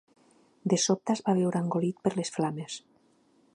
De sobte es va veure engolit per les flames.